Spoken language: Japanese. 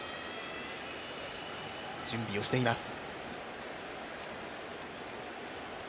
準備をしています。